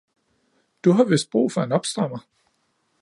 Du har vist brug for en opstrammer